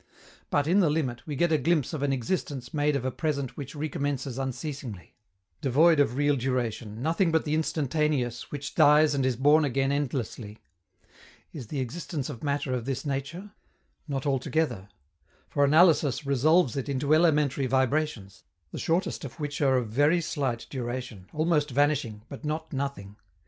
But, in the limit, we get a glimpse of an existence made of a present which recommences unceasingly devoid of real duration, nothing but the instantaneous which dies and is born again endlessly. Is the existence of matter of this nature? Not altogether, for analysis resolves it into elementary vibrations, the shortest of which are of very slight duration, almost vanishing, but not nothing.